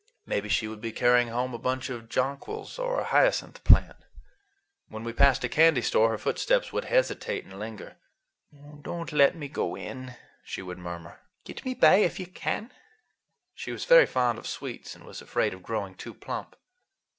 Maybe she would be carrying home a bunch of jonquils or a hyacinth plant. When we passed a candy store her footsteps would hesitate and linger. "Don't let me go in," she would murmur. "Get me by if you can." She was very fond of sweets, and was afraid of growing too plump.